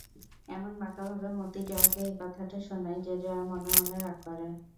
এমন বাঁকাভাবে মতি জয়াকে এই কথাটা শোনায় যে জয়া মনে মনে রাগ করে।